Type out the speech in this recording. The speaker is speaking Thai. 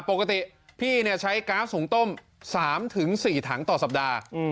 ปกติพี่ใช้ก๊าซหุงต้ม๓๔ถังต่อสัปดาห์